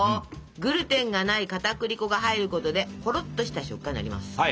グルテンがないかたくり粉が入ることでほろっとした食感になります！